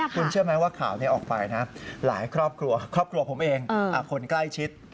คุณเชื่อไหมว่าข่าวนี้ออกไปนะหลายครอบครัวครอบครัวผมเองคนใกล้ชิด